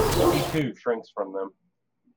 He, too, shrinks from them.